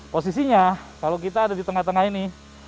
posisinya kalau kita ada di tengah tengah ini